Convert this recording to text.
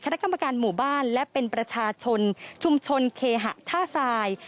คณะกรรมการหมู่บ้านและเป็นประชาชนชุมชนเคหะท่าทราย